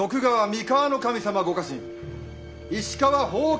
三河守様ご家臣石川伯耆